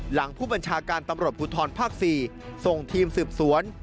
หลังผู้บัญชาการตำรวจภูทรภาค๔ส่งทีมสืบสวน